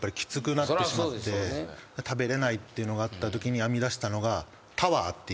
食べれないっていうのがあったときに編み出したのが。